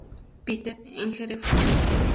Peter, en Hereford.